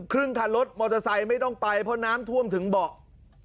ครึ่งคันรถมอเตอร์ไซค์ไม่ต้องไปเพราะน้ำท่วมถึงเบาะ